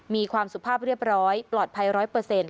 มีความสุภาพเรียบร้อยปลอดภัยร้อยเปอร์เซ็นต